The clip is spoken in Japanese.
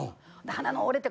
鼻が折れて